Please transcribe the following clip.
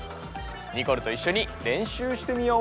ニコルといっしょに練習してみよう！